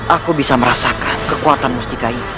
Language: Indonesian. aku bisa merasakan kekuatan mustika ini